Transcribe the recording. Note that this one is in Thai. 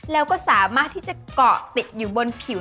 แล้วก็สามารถที่จะเกาะติดอยู่บนผิว